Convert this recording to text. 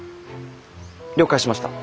了解しました。